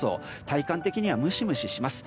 体感的にはムシムシします。